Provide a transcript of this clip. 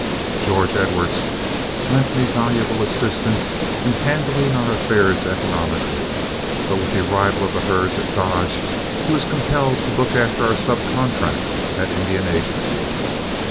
George Edwards lent me valuable assistance in handling our affairs economically, but with the arrival of the herds at Dodge he was compelled to look after our sub contracts at Indian agencies.